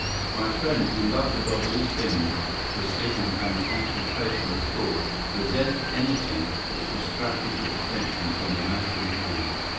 My friend, who loved above all things precision and concentration of thought, resented anything which distracted his attention from the matter in hand.